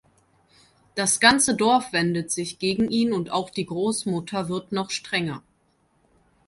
Das ganze Dorf wendet sich gegen ihn und auch die Großmutter wird noch strenger.